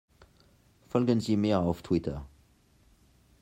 Folgen Sie mir auf Twitter!